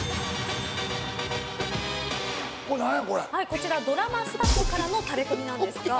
こちらドラマスタッフからのタレコミなんですが。